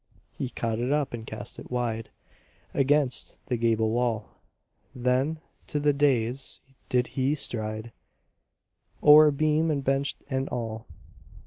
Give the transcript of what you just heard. He caught it up and cast it wide Against the gable wall; Then to the da├»s did he stride, O'er beam and bench and all.